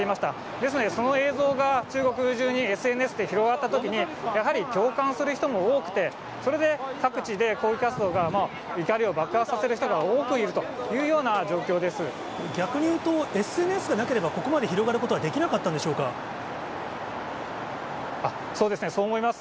ですので、その映像が中国中にＳＮＳで広がったときに、やはり共感する人も多くて、それで各地で抗議活動が、怒りを爆発させる人が多くいると逆に言うと、ＳＮＳでなければ、ここまで広がることはできなかったんでしょうそうですね、そう思います。